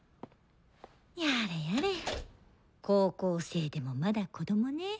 やれやれ高校生でもまだ子供ねぇ。